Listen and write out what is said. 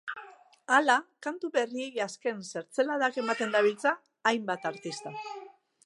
Hala, kantu berriei azken zertzeladak ematen dabiltza hainbat artista.